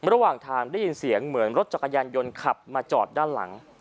ระหว่างทางได้ยินเสียงเหมือนรถจักรยานยนต์ขับมาจอดด้านหลัง